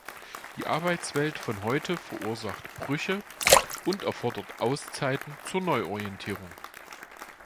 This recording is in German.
Die Arbeitswelt von heute verursacht Brüche und erfordert Auszeiten zur Neuorientierung.